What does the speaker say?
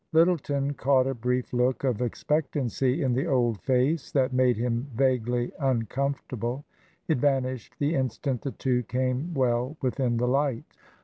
Lyttleton caught a brief look of expectancy in the old face that made him vaguely uncomfortable. It vanished the instant the two came well within the light.